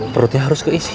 perutnya harus keisi